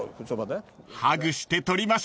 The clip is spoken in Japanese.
［ハグして撮りましょう］